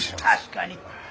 確かに。